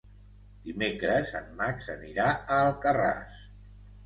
Dimecres en Max anirà a Alcarràs.